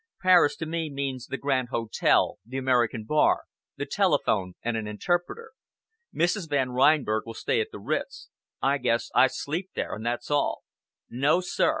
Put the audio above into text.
"Paris, to me, means the Grand Hotel, the American bar, the telephone and an interpreter. Mrs. Van Reinberg will stay at the Ritz. I guess I sleep there and that's all. No! sir!